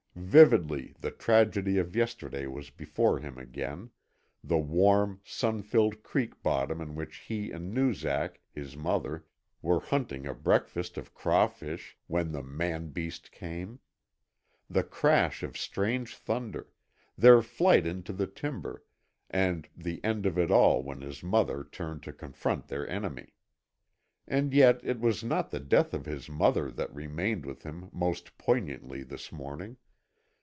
Vividly the tragedy of yesterday was before him again the warm, sun filled creek bottom in which he and Noozak, his mother, were hunting a breakfast of crawfish when the man beast came; the crash of strange thunder, their flight into the timber, and the end of it all when his mother turned to confront their enemy. And yet it was not the death of his mother that remained with him most poignantly this morning.